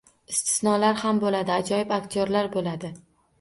Istisnolar ham boʻladi, ajoyib aktyorlar boʻladi